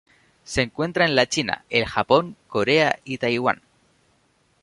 Se encuentra en la China, el Japón, Corea, y Taiwán.